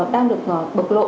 đang được bộc lộ